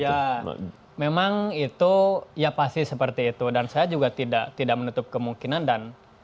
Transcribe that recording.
ya memang itu ya pasti seperti itu dan saya juga tidak menutup kemungkinan dan